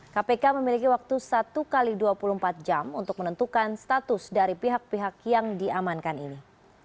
kpk memiliki waktu satu x dua puluh empat jam untuk menentukan status dari pihak pihak yang diamankan ini